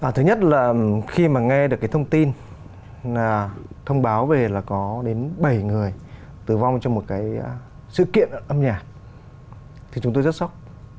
thứ nhất là khi mà nghe được cái thông tin thông báo về là có đến bảy người tử vong trong một cái sự kiện âm nhạc thì chúng tôi rất sốc